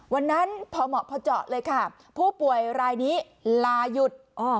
วันนั้นพอเหมาะพอเจาะเลยค่ะผู้ป่วยรายนี้ลาหยุด